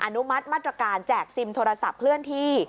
อนุมัติมาตรการแจกซิมโทรศัพท์เคลื่อนที่